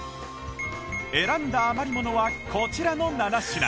選んだ余り物はこちらの７品